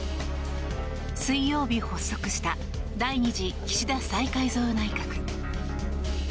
水曜日、発足した第２次岸田再改造内閣。